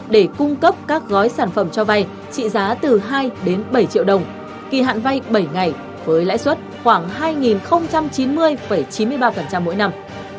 để cung cấp các gói sản phẩm cho vay trị giá từ hai đến bảy triệu đồng kỳ hạn vay bảy ngày với lãi suất khoảng hai chín mươi chín mươi ba mỗi năm